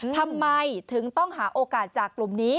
ทำไมถึงต้องหาโอกาสจากกลุ่มนี้